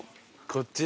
こっち？